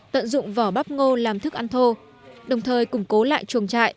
tận dụng vỏ bắp ngô làm thức ăn thô đồng thời củng cố lại chuồng trại